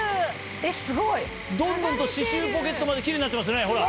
えすごい！どんどんと歯周ポケットまでキレイになってますねほら。